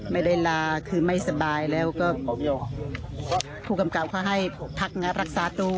ไม่ได้ลาคือไม่สบายแล้วก็ผู้กำกับเขาให้พักงานรักษาตัว